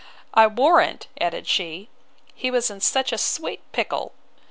I warrant, added she, he was in a sweet pickle!